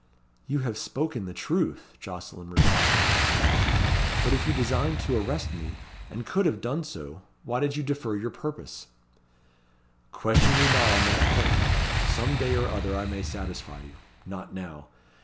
"You have spoken the truth," Jocelyn replied in amazement; "but if you designed to arrest me, and could have done so, why did you defer your purpose?" "Question me not on that point. Some day or other I may satisfy you. Not now.